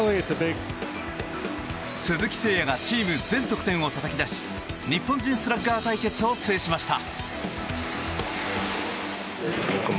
鈴木誠也がチーム全得点をたたき出し日本人スラッガー対決を制しました。